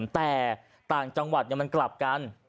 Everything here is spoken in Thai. แต่ต่างจังหวัดมันกลับกัน